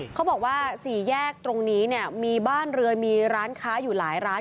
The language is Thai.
เขาบอกว่าสี่แยกตรงนี้เนี่ยมีบ้านเรือมีร้านค้าอยู่หลายร้าน